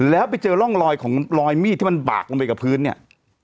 แล้วไปเจอร่องรอยของรอยมีดที่มันบากลงไปกับพื้นเนี่ย